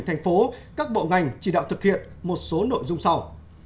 thành phố các bộ ngành chỉ đạo thực hiện một số nội dung sau